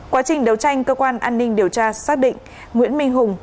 quá trình đấu tranh cơ quan an ninh điều tra xác định nguyễn minh hùng